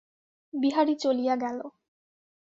বিহারী চলিয়া গেল।